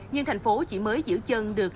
nhưng thành phố chỉ mới giữ chân được năm